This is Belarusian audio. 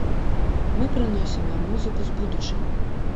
Мы прыносім вам музыку з будучыні.